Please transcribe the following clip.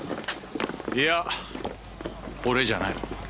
いや俺じゃない。